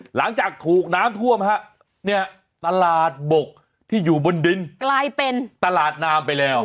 หลังจากถูกน้ำท่วมฮะเนี่ยตลาดบกที่อยู่บนดินกลายเป็นตลาดนามไปแล้ว